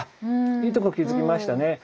いいとこ気付きましたね。